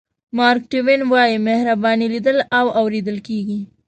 مارک ټواین وایي مهرباني لیدل او اورېدل کېږي.